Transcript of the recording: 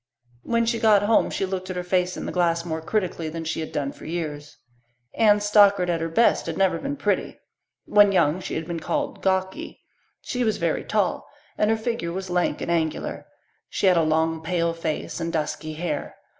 When she got home she looked at her face in the glass more critically than she had done for years. Anne Stockard at her best had never been pretty. When young she had been called "gawky." She was very tall and her figure was lank and angular. She had a long, pale face and dusky hair.